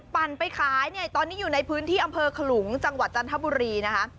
ปั่นไปขายเนี่ยตอนนี้อยู่ในพื้นที่อำเภอขลุงจังหวัดจันทบุรีนะคะ